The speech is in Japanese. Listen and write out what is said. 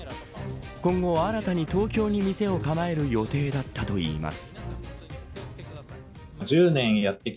今後、新たに東京に店を構える予定だったといいます。